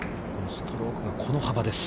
ストロークがこの幅です。